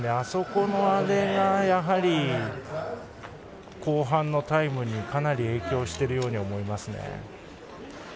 そこがやはり後半のタイムにかなり影響しているように思いますね。